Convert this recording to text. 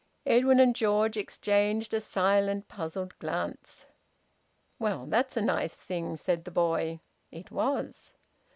Edwin and George exchanged a silent, puzzled glance. "Well, that's a nice thing!" said the boy. It was.